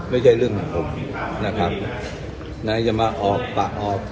ไม่ใช่เรื่องของผมนะครับนะจะมาออกปากออก